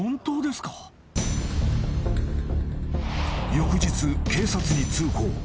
［翌日警察に通報。